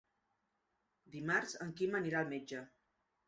Dimarts en Quim anirà al metge.